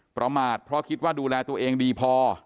ประมาทเพราะคิดว่าดูแลตัวเองดีพอ